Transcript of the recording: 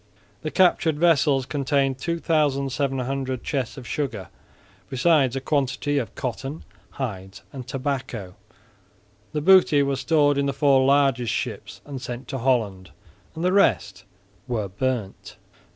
The captured vessels contained 2700 chests of sugar, besides a quantity of cotton, hides and tobacco. The booty was stored in the four largest ships and sent to Holland; the rest were burnt.